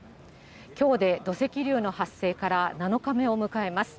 きょうで土石流の発生から７日目を迎えます。